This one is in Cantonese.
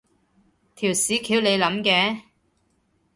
條屎橋你諗嘅？